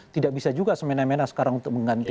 tidak bisa juga semena mena sekarang untuk menggantikan